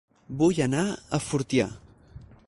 Vull anar a Fortià